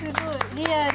リアル。